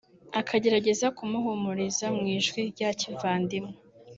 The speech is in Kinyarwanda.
akagerageza kumuhumuriza mu ijwi rya Kivandimwe